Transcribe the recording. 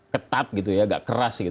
ketat agak keras